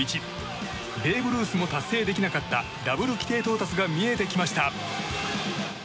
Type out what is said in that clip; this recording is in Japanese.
ベーブ・ルースも達成できなかったダブル規定到達が見えてきました。